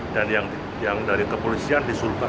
dan yang dari kepolisian di sulawesi barat